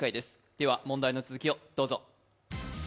では問題の続きをどうぞ。